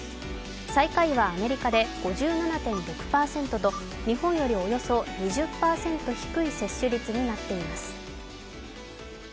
最下位はアメリカで５７．６％と日本よりおよそ２０％低い接種率になっています。